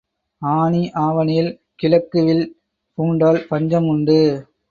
ஆனி ஆவணியில் கிழக்கு வில் பூண்டால் பஞ்சம் உண்டு.